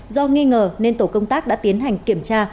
do nghi ngờ nên tổ công tác đã tiến hành kiểm tra